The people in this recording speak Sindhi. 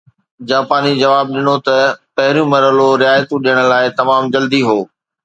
جاپاني جواب ڏنو ته پهريون مرحلو رعايتون ڏيڻ لاءِ تمام جلدي هو